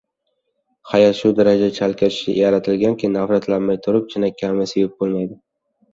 Hayot shu darajada chalkash yaratilganki, nafratlanmay turib chinakamiga sevib bo‘lmaydi.